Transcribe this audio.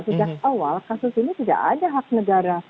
sejak awal kasus ini tidak ada hak negara